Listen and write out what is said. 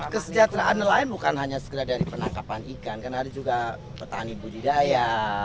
kesejahteraan nelayan bukan hanya sekedar dari penangkapan ikan karena ada juga petani budidaya